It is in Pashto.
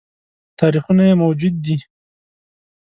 تاریخونه یې موجود دي